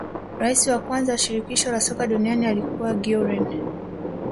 Rais wa kwanza wa shirikisho la soka duniani alikuwa guerin